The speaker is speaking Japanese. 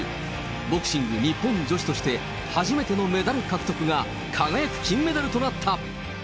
ボクシング日本女子として初めてのメダル獲得が輝く金メダルとなった。